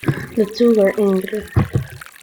The two were Engr.